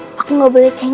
makannya gak boleh cengeng